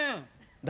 誰？